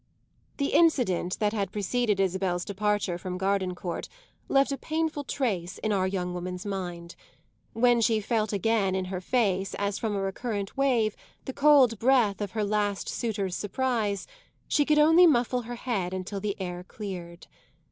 The incident that had preceded Isabel's departure from Gardencourt left a painful trace in our young woman's mind: when she felt again in her face, as from a recurrent wave, the cold breath of her last suitor's surprise, she could only muffle her head till the air cleared.